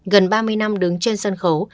gần ba mươi năm đứng trên sân khấu